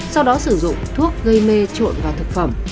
sau đó sử dụng thuốc gây mê trộn vào thực phẩm